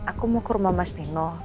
aku mau ke rumah mas dino